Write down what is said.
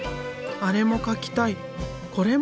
「これも描きたい」。